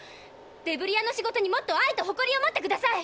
デブリ屋の仕事にもっと愛とほこりを持ってください！